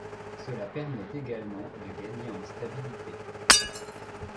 Cela permet également de gagner en stabilité.